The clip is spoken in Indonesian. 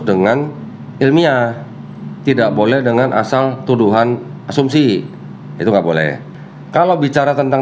dengan ilmiah tidak boleh dengan asal tuduhan asumsi itu nggak boleh kalau bicara tentang